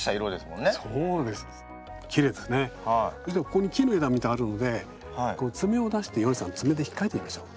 ここに木の枝みたいなのがあるのでツメを出してヨネさんツメでひっかいてみましょう。